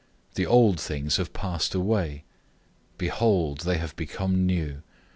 The old things have passed away. Behold, all things have become new.